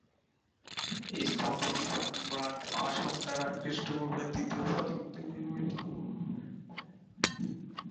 এই স্তম্ভটি সম্রাট অশোক দ্বারা খ্রিষ্টপূর্ব তৃতীয় শতকে নির্মিত।